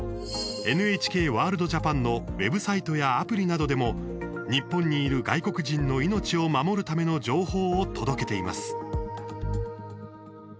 ＮＨＫワールドＪＡＰＡＮのウェブサイトやアプリなどでも日本にいる外国人の命を守るための情報を届けています。